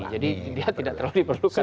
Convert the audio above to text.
jadi dia tidak terlalu diperlukan